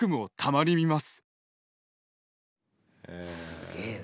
すげえな。